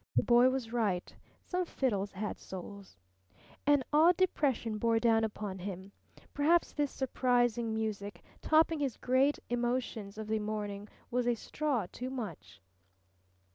The boy was right. Some fiddles had souls. An odd depression bore down upon him. Perhaps this surprising music, topping his great emotions of the morning, was a straw too much.